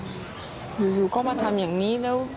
อยู่แต่เราอยู่ก็มาทำอย่างนี้แล้ว